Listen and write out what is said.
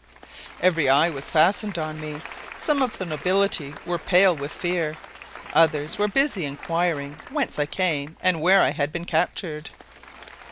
Every eye was fastened on me. Some of the nobility were pale with fear; others were busy inquiring whence I came and where I had been captured.